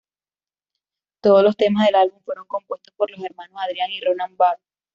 Todos los temas del álbum fueron compuestos por los hermanos Adrián y Ronan Bar.